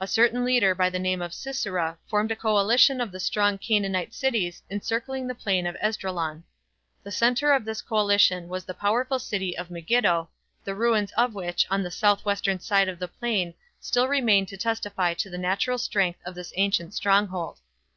A certain leader by the name of Sisera formed a coalition of the strong Canaanite cities encircling the Plain of Esdraelon. The centre of this coalition was the powerful city of Megiddo, the ruins of which on the south western side of the plain still remain to testify to the natural strength of this ancient stronghold.